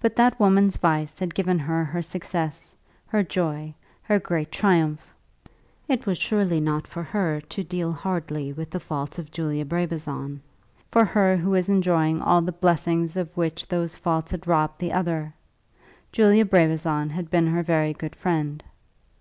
But that woman's vice had given her her success, her joy, her great triumph! It was surely not for her to deal hardly with the faults of Julia Brabazon, for her who was enjoying all the blessings of which those faults had robbed the other! Julia Brabazon had been her very good friend.